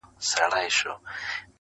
• نه امید یې له قفسه د وتلو -